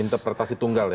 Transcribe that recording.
interpretasi tunggal ya